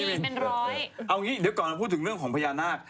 เอาอย่างนี้เดี๋ยวก่อนเราพูดถึงเรื่องของพญานาค